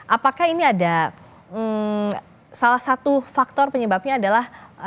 apakah ini ada salah satu faktor penyebabnya adalah